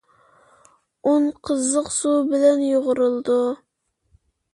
ئۇن قىزىق سۇ بىلەن يۇغۇرۇلىدۇ.